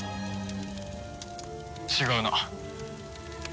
違うな。